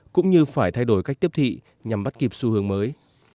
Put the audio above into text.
cũng như phải thay đổi cách tiếp thị nhằm bắt kịp xu hướng mới